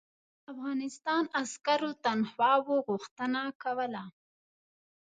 افغانستان عسکرو تنخواوو غوښتنه کوله.